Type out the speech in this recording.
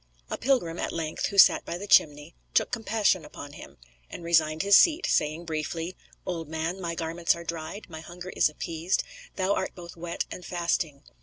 A pilgrim, at length, who sat by the chimney, took compassion upon him, and resigned his seat, saying briefly, "Old man, my garments are dried, my hunger is appeased, thou art both wet and fasting."